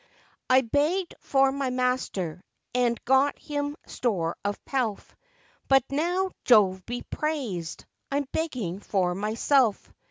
I begged for my master, And got him store of pelf; But now, Jove be praised! I'm begging for myself.